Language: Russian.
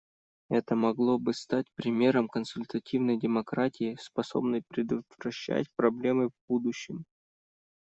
Это могло бы стать примером консультативной демократии, способной предотвращать проблемы в будущем.